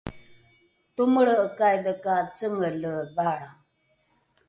tomelre’ekaidhe ka cengele valra